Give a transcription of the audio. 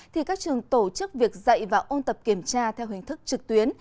thì các trường tổ chức việc dạy và ôn tập kiểm tra theo hình thức trực tuyến